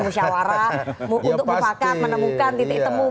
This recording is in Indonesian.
musyawarah untuk mufakat menemukan titik temu